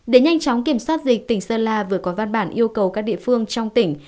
để nhanh chóng kiểm soát dịch tỉnh sơn la vừa có văn bản yêu cầu các địa phương trong tỉnh